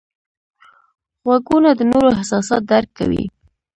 غوږونه د نورو احساسات درک کوي